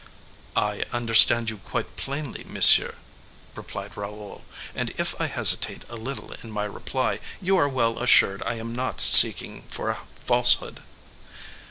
"I understand you quite plainly, monsieur," replied Raoul, "and if I hesitate a little in my reply, you are well assured I am not seeking for a falsehood."